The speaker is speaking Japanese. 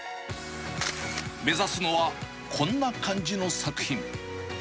目指すのは、こんな感じの作品。